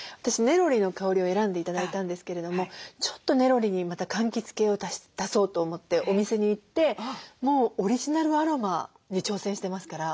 ネロリの香りを選んで頂いたんですけれどもちょっとネロリにまたかんきつ系を足そうと思ってお店に行ってもうオリジナルアロマに挑戦してますから。